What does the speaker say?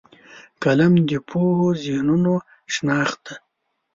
قلم د پوهو ذهنونو شناخت دی